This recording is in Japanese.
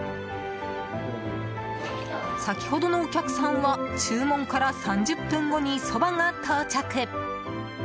先ほどのお客さんは注文から３０分後にそばが到着。